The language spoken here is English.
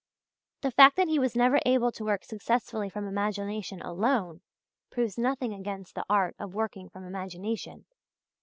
The fact that he was never able to work successfully from imagination alone, proves nothing against the art of working from imagination.